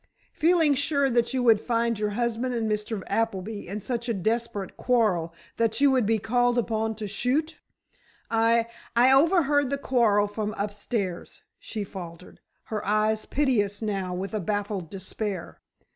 "Feeling sure that you would find your husband and Mr. Appleby in such a desperate quarrel that you would be called upon to shoot?" "I—I overheard the quarrel from upstairs," she faltered, her eyes piteous now with a baffled despair.